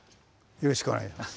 よろしくお願いします。